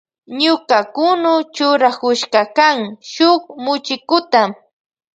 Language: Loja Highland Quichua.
Ñuka kunu churakushkakan shuk muchikuta.